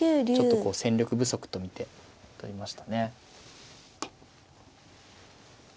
ちょっとこう戦力不足と見て取りましたね。